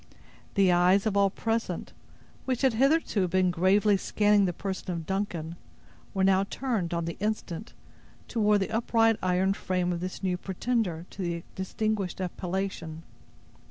The eyes of all present, which had hitherto been gravely scanning the person of Duncan, were now turned, on the instant, toward the upright iron frame of this new pretender to the distinguished appellation.